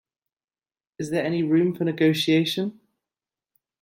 Is there any room for negotiation?